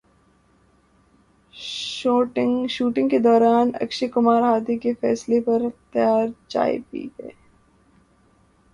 shooting کے دوران اکشے کمار ہاتھی کے فضلے سے تیار چائے پی گئے